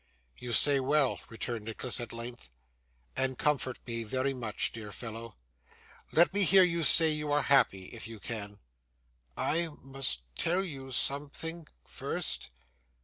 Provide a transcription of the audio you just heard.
'You say well,' returned Nicholas at length, 'and comfort me very much, dear fellow. Let me hear you say you are happy, if you can.' 'I must tell you something, first.